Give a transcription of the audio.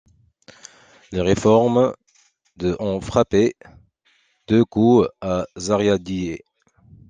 Les réformes de ont frappé deux coups à Zariadié.